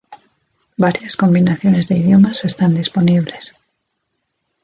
Varias combinaciones de idiomas están disponibles.